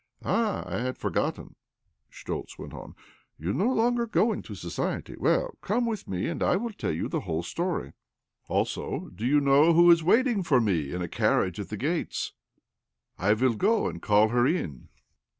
" Ah, I had forgotten," Schtoltz went on. " You no longer go into society. Well, come with me, and I will tell you the whole story. Also, do you know who is waiting for me in a carriage at the gates ? I will go and call her in."